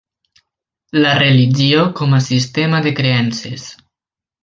La religió com a sistema de creences.